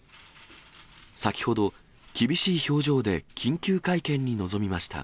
先ほど、厳しい表情で緊急会見に臨みました。